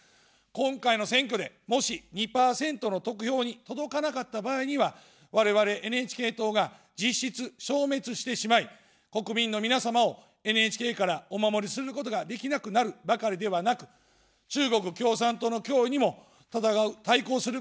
今回の選挙で、もし２％の得票に届かなかった場合には、我々ＮＨＫ党が実質、消滅してしまい、国民の皆様をＮＨＫからお守りすることができなくなるばかりではなく、中国共産党の脅威にも対抗することができなくなってしまいます。